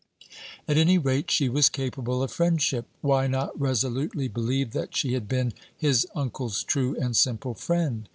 At any rate, she was capable of friendship. Why not resolutely believe that she had been his uncle's true and simple friend!